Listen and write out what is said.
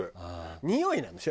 においなんでしょ？